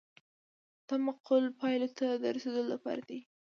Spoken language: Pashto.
دا معقولو پایلو ته د رسیدو لپاره دی.